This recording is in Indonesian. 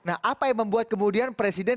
nah apa yang membuat kemudian presiden